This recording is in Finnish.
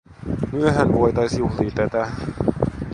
“Myöhän voitais juhlii tätä.